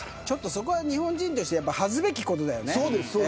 そこは日本人として恥ずべきことだよね。